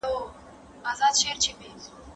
کم مه تلئ.